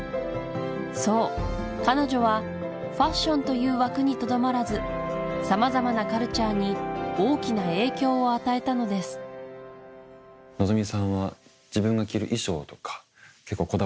そう彼女はファッションという枠にとどまらずさまざまなカルチャーに大きな影響を与えたのですそうですね。